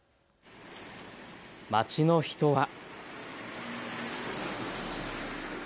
街の人は。